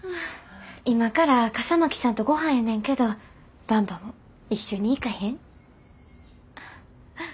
今から笠巻さんとごはんやねんけどばんばも一緒に行かへん？